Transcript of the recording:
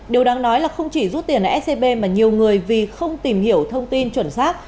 điều đáng nói là không chỉ rút tiền scb mà nhiều người vì không tìm hiểu thông tin chuẩn xác